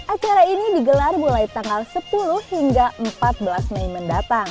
acara ini digelar mulai tanggal sepuluh hingga empat belas mei mendatang